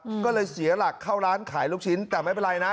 อืมก็เลยเสียหลักเข้าร้านขายลูกชิ้นแต่ไม่เป็นไรนะ